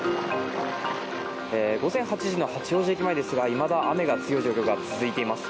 午前８時の八王子駅前ですがいまだ雨が強い状況が続いています。